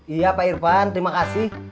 iya pak irfan terima kasih